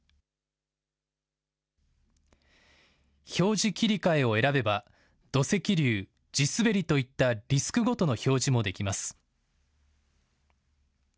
表示切り替えを選べば土石流、地滑りといったリスクごとの表示もできます。